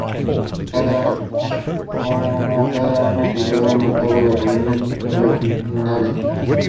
There was much more smoke both inside and outside the building at this point.